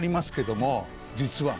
実は。